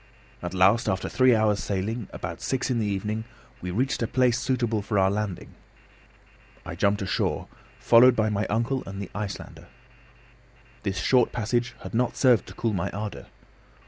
At last, after three hours' sailing, about six in the evening we reached a place suitable for our landing. I jumped ashore, followed by my uncle and the Icelander. This short passage had not served to cool my ardour.